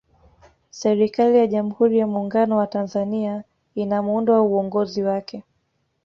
serikali ya jamhuri ya muungano wa tanzania ina muundo wa uongozi wake